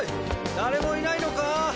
誰もいないのか？